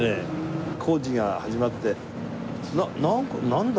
工事が始まって「ななんだ？